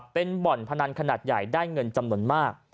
เป็นบ่อนพนันขนาดใหญ่ได้เงินจำนวนมาก